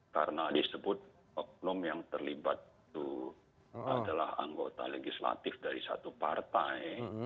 karena disebut volume yang terlibat itu adalah anggota legislatif dari satu partai